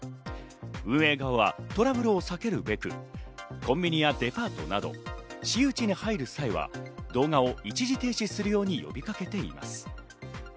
運営側はトラブルを避けるべく、コンビニやデパートなど私有地に入る際は動画を一時停止するように呼びかけています。